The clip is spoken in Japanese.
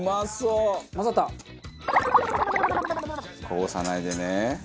こぼさないでね。